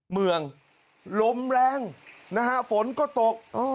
เมืองลมแรงนะฮะฝนก็ตก